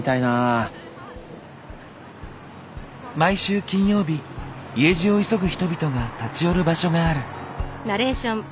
毎週金曜日家路を急ぐ人々が立ち寄る場所がある。